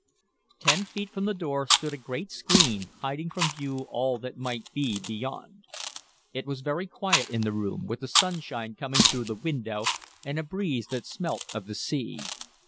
Ten feet from the door stood a great screen, hiding from view all that might be beyond. It was very quiet in the room, with the sunshine coming through the window, and a breeze that smelt of the sea.